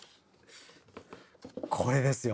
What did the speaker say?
これですよ！